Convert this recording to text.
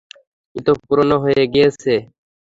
এতো পুরানো হয়ে গিয়েছে।